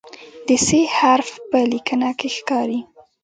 د "ث" حرف په لیکنه کې ښکاري.